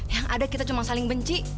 yang ada kita cuma saling benci